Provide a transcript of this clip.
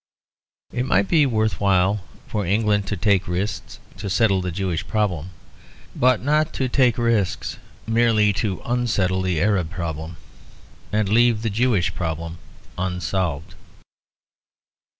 It might be worth while for England to take risks to settle the Jewish problem; but not to take risks merely to unsettle the Arab problem, and leave the Jewish problem unsolved.